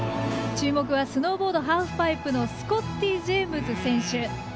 注目はスノーボード・ハーフパイプのスコッティ・ジェームズ選手。